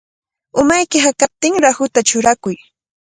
Umayki hakaptin rahuta churakuy.